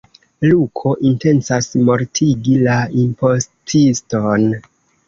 Luko intencas mortigi la impostiston.